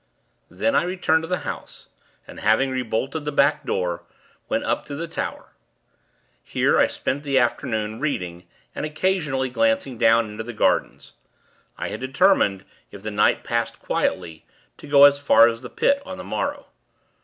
Then, I returned to the house, and, having re bolted the back door, went up to the tower. Here, I spent the afternoon, reading, and occasionally glancing down into the gardens. I had determined, if the night passed quietly, to go as far as the Pit, on the morrow.